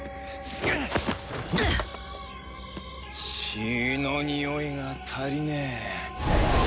血のにおいが足りねえ。